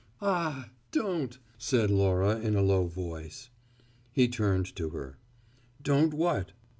"Ah, don't!" said Laura in a low voice. He turned to her. "Don't what?"